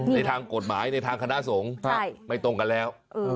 ในทางกฎหมายในทางคณะสงฆ์ไม่ตรงกันแล้ว